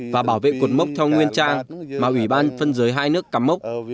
và bảo vệ cột mốc theo nguyên cha mà ủy ban phân giới hai nước cắm mốc